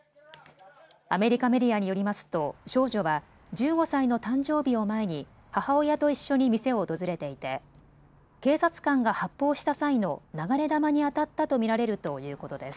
アメリカメディアによりますと少女は１５歳の誕生日を前に母親と一緒に店を訪れていて警察官が発砲した際の流れ弾に当たったと見られるということです。